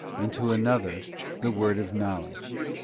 and to another the word of knowledge